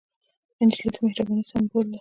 نجلۍ د مهربانۍ سمبول ده.